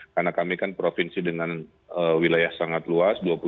karena kami kan provinsi dengan wilayah sangat luas